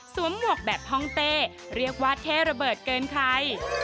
สวมหมวกแบบฮ่องเตเรียกว่าเท่ระเบิดเกินไข